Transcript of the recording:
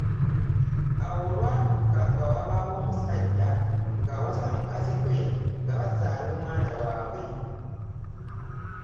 Awo olwatuuka nga wabaawo omusajja ng’awasa mukazi we nga bazaala omwana waabwe.